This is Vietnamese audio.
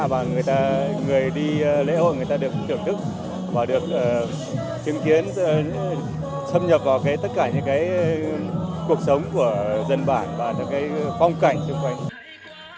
và người đi lễ hội người ta được thưởng thức và được chứng kiến xâm nhập vào tất cả những cái cuộc sống của dân bản và những phong cảnh xung quanh